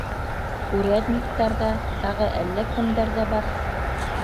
Урядниктар ҙа, тағы әллә кемдәр ҙә бар.